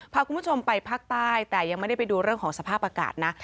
พาคุณผู้ชมไปภาคใต้แต่ยังไม่ได้ไปดูเรื่องของสภาพอากาศนะ